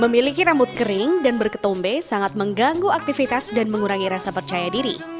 memiliki rambut kering dan berketombe sangat mengganggu aktivitas dan mengurangi rasa percaya diri